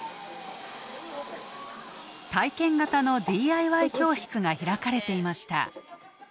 体験型のＤＩＹ教室が開かれていました。